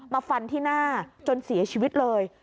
ฟันที่หน้าจนเสียชีวิตเลย